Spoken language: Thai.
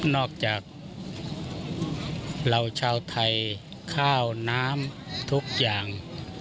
นอกจากเราชาวไทยข้าวน้ำทุกอย่าง